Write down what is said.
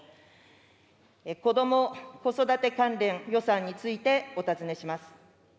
子ども・子育て関連予算について、お尋ねします。